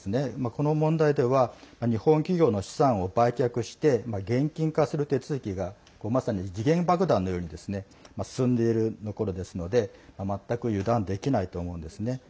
この問題では日本企業の資産を売却して現金化する手続きがまさに時限爆弾のように進んでいるところですので全く油断できないと思うんですね。